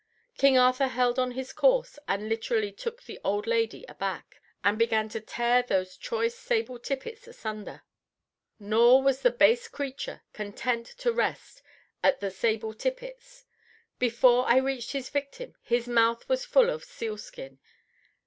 _ King Arthur held on his course and literally took the old lady aback, and began to tear those choice sable tippets asunder. Nor was the base creature content to rest at the sable tippets. Before I reached his victim his mouth was full of sealskin.